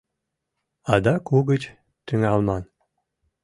Адак угыч тӱҥалман.